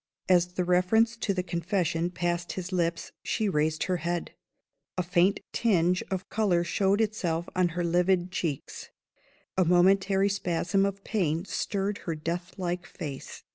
As the reference to the Confession passed his lips, she raised her head. A faint tinge of color showed itself on her livid cheeks; a momentary spasm of pain stirred her deathlike face.